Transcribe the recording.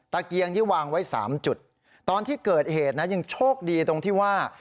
เกียงที่วางไว้๓จุดตอนที่เกิดเหตุนะยังโชคดีตรงที่ว่า